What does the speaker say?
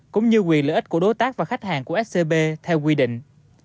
cũng như quyền lợi ích của đối tác và khách hàng của scb theo quy định